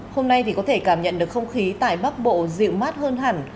hôm nay thì có thể cảm nhận được không khí tại bắc bộ dịu mát hơn hẳn